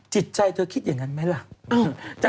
จิตใจเจ้าคิดอย่างนั้นไหมเหรอ